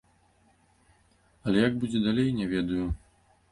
Але як будзе далей, не ведаю.